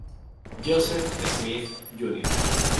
Joseph Smith, Jr.